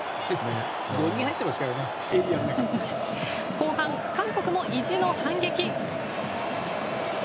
後半、韓国も意地の反撃。